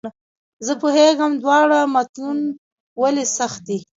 زه پوهېږم دواړه متون ولې سخت دي.